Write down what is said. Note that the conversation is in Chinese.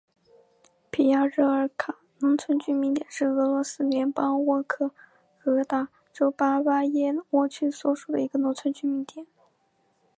皮亚热尔卡农村居民点是俄罗斯联邦沃洛格达州巴巴耶沃区所属的一个农村居民点。